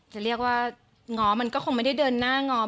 จะเรียกว่าง้อมันก็คงไม่ได้เดินหน้าง้อม